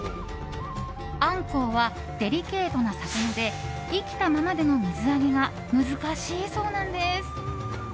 アンコウはデリケートな魚で生きたままでの水揚げが難しいそうなんです。